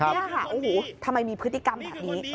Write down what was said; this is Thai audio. นี่ค่ะโอ้โหทำไมมีพฤติกรรมแบบนี้